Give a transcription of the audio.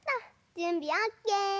じゅんびオッケー！